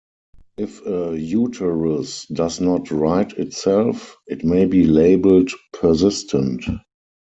If a uterus does not right itself, it may be labeled "persistent".